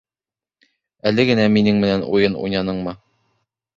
Әле генә минең менән уйын уйнаныңмы?